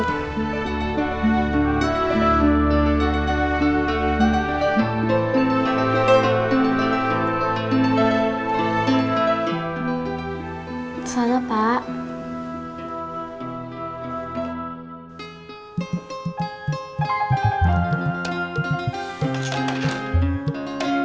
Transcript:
emang kenapa kalau di pulang